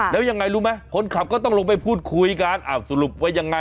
แล้วยังไงรู้ไหมคนขับก็ต้องลงไปพูดคุยกันอ้าวสรุปว่ายังไง